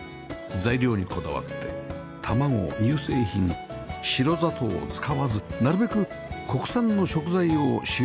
材料にこだわって卵乳製品白砂糖を使わずなるべく国産の食材を使用しているそうです